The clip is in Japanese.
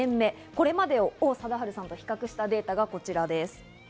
これまでを王貞治さんと比較したデータがこちらです。